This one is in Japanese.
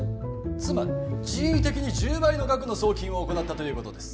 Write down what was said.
つまり人為的に１０倍の額の送金を行ったということです